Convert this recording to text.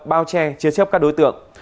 bao che chia chấp các đối tượng